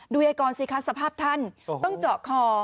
ดูยายกรสิคะสภาพท่านต้องจอกคอ